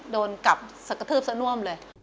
โดนกลับกระทืบซะน่วมเลย